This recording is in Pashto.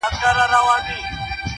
زمــا دزړه د ائينې په خاموشـۍ كي.